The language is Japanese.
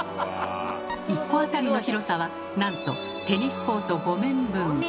１戸当たりの広さはなんとテニスコート５面分。